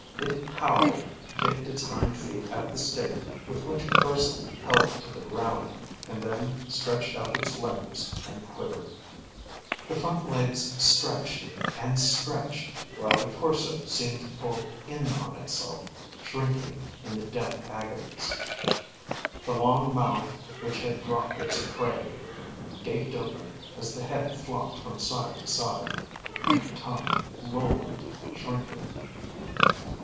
It howled, kicked its hind feet at the stake with which Urson held it to the ground, and then stretched out its limbs and quivered. The front legs stretched, and stretched, while the torso seemed to pull in on itself, shrinking in the death agonies. The long mouth, which had dropped its prey, gaped open as the head flopped from side to side, the pink tongue lolling, shrinking.